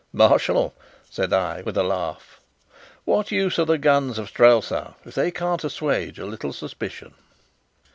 "Marshal," said I, with a laugh, "what use are the guns of Strelsau, if they can't assuage a little suspicion?"